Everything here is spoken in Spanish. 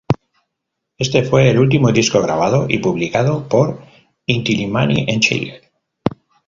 Este fue el último disco grabado y publicado por Inti-Illimani en Chile.